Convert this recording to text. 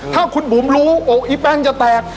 ถ้าคุณบุ๋มรู้อกอีแป้งจะแตก